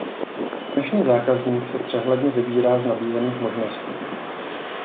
Dnešní zákazník si přehledně vybírá z nabízených možností.